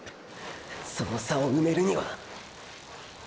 その差を埋めるにはーー！